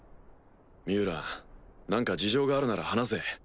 ミュウラン何か事情があるなら話せ。